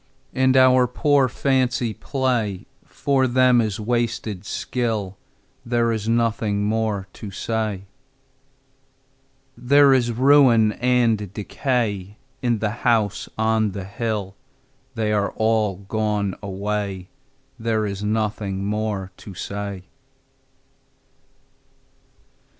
And our poor fancy play For them is wasted skill: There is nothing more to say. There is ruin and decay In the House on the Hill They are all gone away, There is nothing more to say.